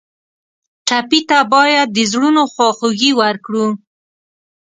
ټپي ته باید د زړونو خواخوږي ورکړو.